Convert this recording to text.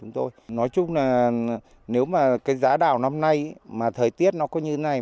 nói chung nếu giá đào năm nay thời tiết có như thế này